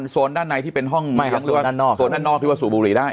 โซนด้านในที่เป็นห้องหรือว่าสูบบุหรี่ได้